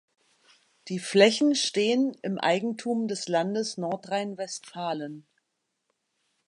Die Flächen stehen im Eigentum des Landes Nordrhein-Westfalen.